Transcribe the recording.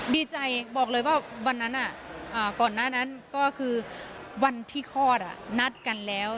ดีใจบอกเลยว่าวันนั้นก่อนหน้านั้นก็คือวันที่คลอดนัดกันแล้ว